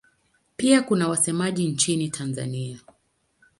Pia kuna wasemaji nchini Tanzania.